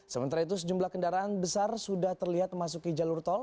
sementara itu sejumlah kendaraan besar sudah terlihat memasuki jalur tol